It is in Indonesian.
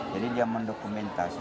jadi dia mendokumentasi